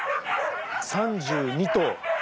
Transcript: ３２頭！